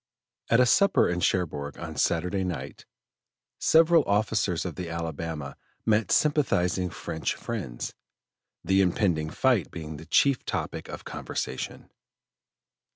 At a supper in Cherbourg on Saturday night, several officers of the Alabama met sympathizing French friends the impending fight being the chief topic of conversation.